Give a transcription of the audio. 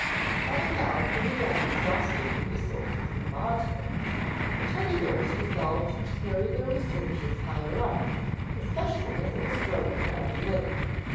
Having now pretty well exhausted the resources of Bob's room, the Teddy bears resolved to carry their researches higher up, especially as it was growing rather late.